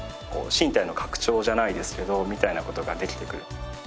身体の拡張じゃないですけどみたいな事ができてくる。